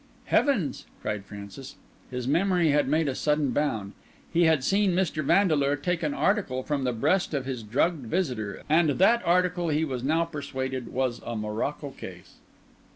"Heavens!" cried Francis. His memory had made a sudden bound. He had seen Mr. Vandeleur take an article from the breast of his drugged visitor, and that article, he was now persuaded, was a morocco case.